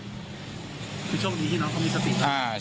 คือช่วงดีที่น้องเขามีสติดี